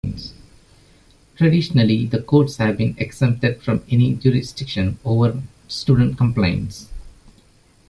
Traditionally, the courts have been exempted from any jurisdiction over student complaints.